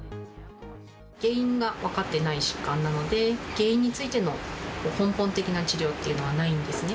原因が分かってない疾患なので、原因についての根本的な治療っていうのはないんですね。